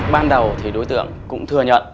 ban đầu thì đối tượng cũng thừa nhận